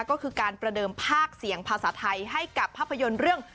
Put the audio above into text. ก็คือการประเดิมภาคเสียงภาษาไทยให้กับภาพยนตร์เรื่อง